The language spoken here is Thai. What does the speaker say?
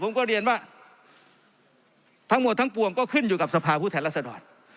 ผมก็เรียนว่าทั้งหมดทั้งปวงก็ขึ้นอยู่กับสภาพผู้แทนรัศดร